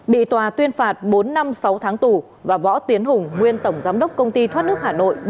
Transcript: bị tòa tuyên phạt bốn năm sáu tháng tù và võ tiến hùng nguyên tổng giám đốc công ty thoát nước hà nội